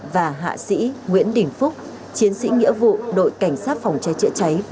và hạ sĩ nguyễn đình phúc chiến sĩ nghĩa vụ đội cảnh sát phòng cháy chữa cháy